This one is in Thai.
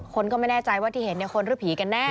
คนก็ไม่แน่ใจว่าที่เห็นคนหรือผีกันแน่